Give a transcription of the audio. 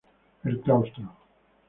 El claustro.